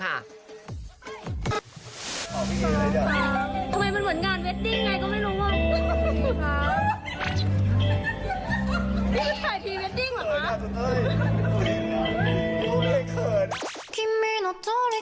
ทำไมมันเหมือนงานเวดดิ้งไงก็ไม่รู้ไง